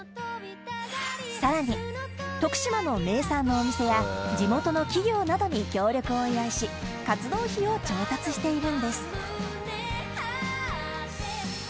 さらに徳島の名産のお店や地元の企業などに協力を依頼し活動費を調達しているんです